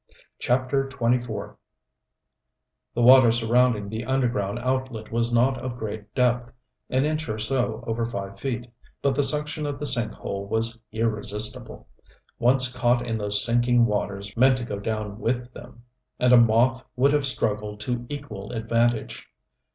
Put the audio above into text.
CHAPTER XXIV The water surrounding the underground outlet was not of great depth an inch or so over five feet but the suction of the sink hole was irresistible. Once caught in those sinking waters meant to go down with them; and a moth would have struggled to equal advantage.